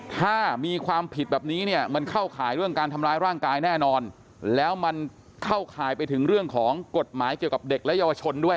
ถ้ามีความผิดแบบนี้เนี่ยมันเข้าข่ายเรื่องการทำร้ายร่างกายแน่นอนแล้วมันเข้าข่ายไปถึงเรื่องของกฎหมายเกี่ยวกับเด็กและเยาวชนด้วย